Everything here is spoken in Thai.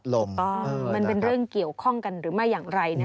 ถูกต้องมันเป็นเรื่องเกี่ยวข้องกันหรือไม่อย่างไร